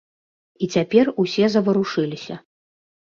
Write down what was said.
І цяпер усе заварушыліся.